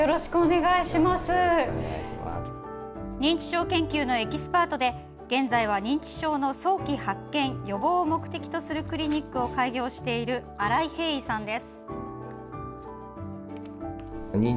認知症研究のエキスパートで現在は認知症の早期発見、予防を目的とするクリニックを開業している新井平伊さんです。